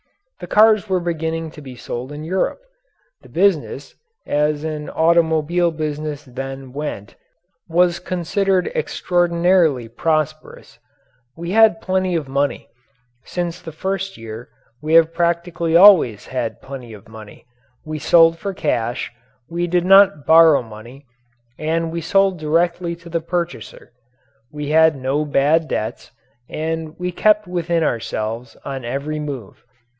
The cars were beginning to be sold in Europe. The business, as an automobile business then went, was considered extraordinarily prosperous. We had plenty of money. Since the first year we have practically always had plenty of money. We sold for cash, we did not borrow money, and we sold directly to the purchaser. We had no bad debts and we kept within ourselves on every move.